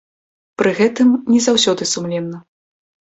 Пры гэтым, не заўсёды сумленна.